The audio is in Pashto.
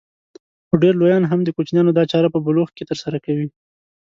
خو ډېر لويان هم د کوچنيانو دا چاره په بلوغ کې ترسره کوي.